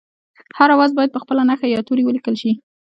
هر آواز باید په خپله نښه یا توري ولیکل شي